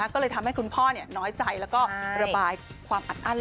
ก็เลยทำให้คุณพ่อน้อยใจแล้วก็ระบายความอัดอั้น